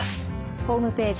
ホームページ